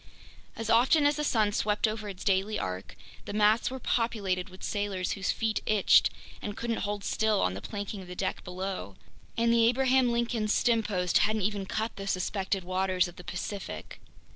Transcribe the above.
As often as the sun swept over its daily arc, the masts were populated with sailors whose feet itched and couldn't hold still on the planking of the deck below! And the Abraham Lincoln's stempost hadn't even cut the suspected waters of the Pacific.